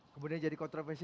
kemudian jadi kontroversi